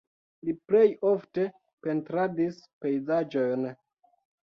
Li plej ofte pentradis pejzaĝojn.